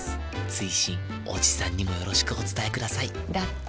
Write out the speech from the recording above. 追伸おじさんにもよろしくお伝えくださいだって。